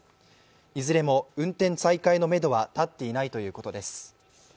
いずれも運転再開のめどは立っていないということです。